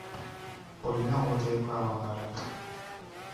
Olina w'otereka awamala?